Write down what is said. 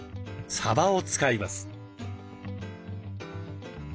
さばを使います。